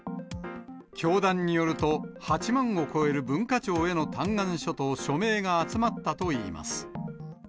教団によると、８万を超える文化庁への嘆願書と署名が集まったといいます。